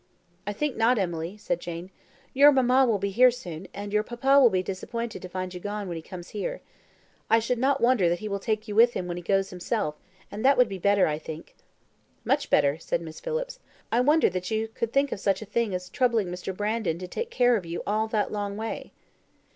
"I think not, Emily," said Jane. "Your mamma will be soon here, and your papa will be disappointed to find you gone when he comes here. I should not wonder that he will take you with him when he goes himself, and that would be better, I think." "Much better," said Miss Phillips. "I wonder that you could think of such a thing as troubling Mr. Brandon to take care of you all that long way."